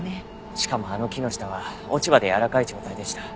しかもあの木の下は落ち葉でやわらかい状態でした。